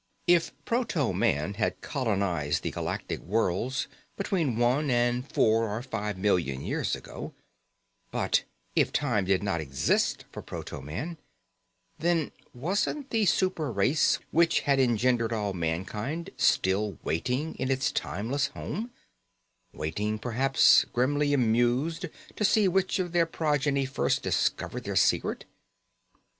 If proto man had colonized the galactic worlds between one and four or five million years ago, but if time did not exist for proto man, then wasn't the super race which had engendered all mankind still waiting in its timeless home, waiting perhaps grimly amused to see which of their progeny first discovered their secret?